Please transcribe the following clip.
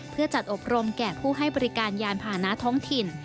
เพื่อจัดอบรมแก่ผู้ให้บริการยานผ่านะท้องถิ่น